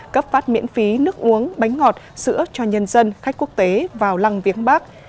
cấp phát miễn phí nước uống bánh ngọt sữa cho nhân dân khách quốc tế vào lăng viếng bắc